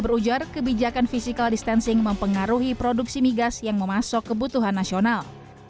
berujar kebijakan physical distancing mempengaruhi produksi migas yang memasuk kebutuhan nasional